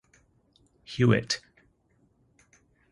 Hewitt.